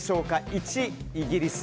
１、イギリス